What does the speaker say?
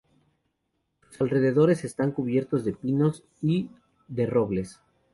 Sus alrededores están cubiertos de pinos y de robles.